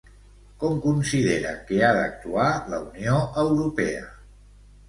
Com considera que ha d'actuar la Unió Europea?